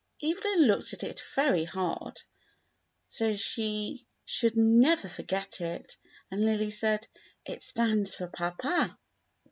Evelyn looked at it very hard, so she should never forget it, and Lily said, "It stands for papa."